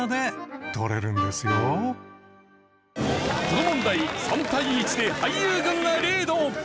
この問題３対１で俳優軍がリード。